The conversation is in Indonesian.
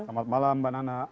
selamat malam mbak nana